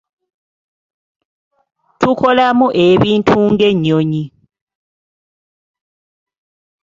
Tukolamu ebintu ng'ennyonyi.